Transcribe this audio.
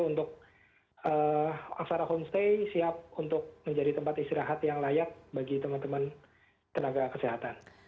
untuk aksara homestay siap untuk menjadi tempat istirahat yang layak bagi teman teman tenaga kesehatan